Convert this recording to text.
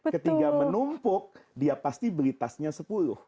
ketika menumpuk dia pasti beli tasnya sepuluh